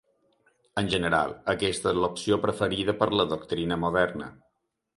En general, aquesta és l'opció preferida per la doctrina moderna.